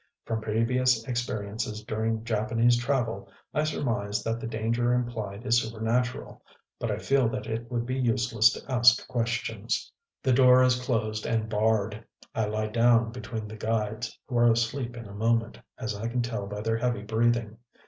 From previous experiences during Japanese travel, I surmise that the danger implied is supernatural; but I feel that it would be useless to ask questions. The door is closed and barred. I lie down between the guides, who are asleep in a moment, as I can tell by their heavy breathing.